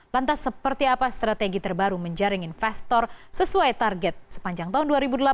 lantas seperti apa strategi terbaru menjaring investor sesuai target sepanjang tahun dua ribu delapan belas